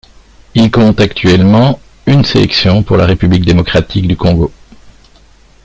Il compte actuellement une sélection pour la République démocratique du Congo.